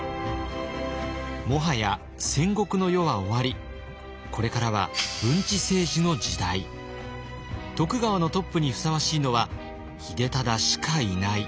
もはや戦国の世は終わりこれからは徳川のトップにふさわしいのは秀忠しかいない。